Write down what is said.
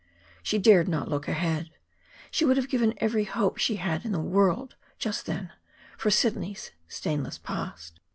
She dared not look ahead. She would have given every hope she had in the world, just then, for Sidney's stainless past.